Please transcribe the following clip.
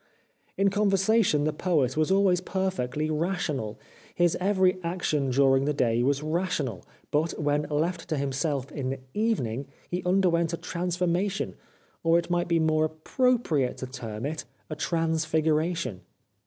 In conversation the Poet was always perfectly rational. His every action during the day was rational, but, when left to himself in the evening, he underwent a transformation, or, it might be more appropriate to term it, a transfiguration.